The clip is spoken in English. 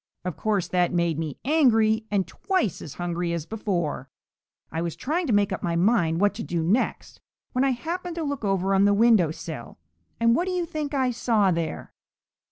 Of course that made me angry, and twice as hungry as before. I was trying to make up my mind what to do next when I happened to look over on the window sill, and what do you think I saw there?"